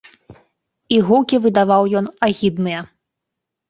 І гукі выдаваў ён агідныя.